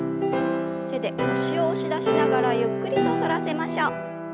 手で腰を押し出しながらゆっくりと反らせましょう。